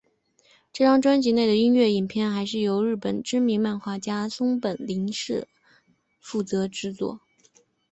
这张专辑内的音乐影片还是由日本知名漫画家松本零士负责制作。